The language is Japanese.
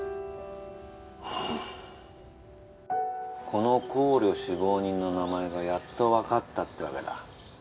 この行旅死亡人の名前がやっとわかったってわけだ。